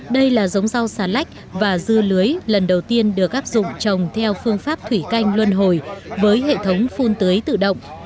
đây là giống rau xà lách và dưa lưới lần đầu tiên được áp dụng trồng theo phương pháp thủy canh luân hồi với hệ thống phun tưới tự động